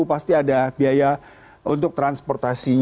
pasti ada biaya untuk transportasinya